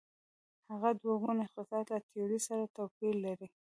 هغه دوه ګونی اقتصاد له تیورۍ سره توپیر لري.